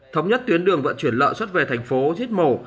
thống nhất tuyến đường vận chuyển lợn xuất về thành phố giết mổ